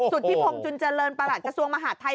สุทธิพรมจุลเจริญประหลักศาสตร์ส่วงมหาดไทย